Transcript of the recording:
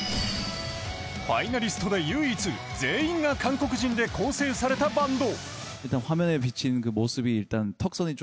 ファイナリストで唯一全員が韓国人で構成されたバンド。